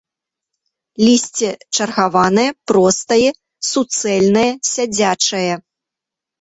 Лісце чаргаванае, простае, суцэльнае, сядзячае.